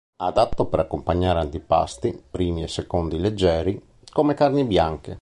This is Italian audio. Adatto per accompagnare antipasti, primi e secondi leggeri, come carni bianche.